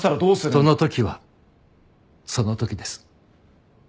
その時はその時です。